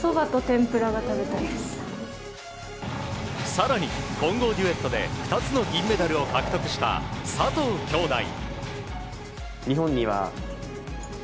更に、混合デュエットで２つの銀メダルを獲得した佐藤姉弟。